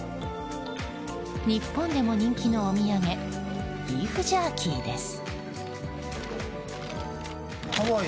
日本でも人気のお土産ビーフジャーキーです。